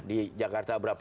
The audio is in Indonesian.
di jakarta berapa